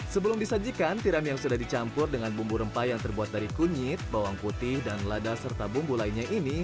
sebelum disajikan tiram yang sudah dicampur dengan bumbu rempah yang terbuat dari kunyit bawang putih dan lada serta bumbu lainnya ini